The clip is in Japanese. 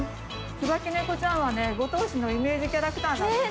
つばきねこちゃんはね五島市のイメージキャラクターなんですよ。